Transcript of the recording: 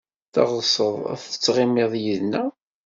Teɣsed ad tettɣimid yid-neɣ?